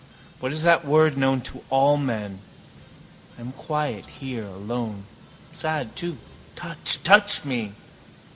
What is that word known to all men? I am quiet here alone. Sad too. Touch, touch me.